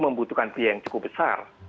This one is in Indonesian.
membutuhkan biaya yang cukup besar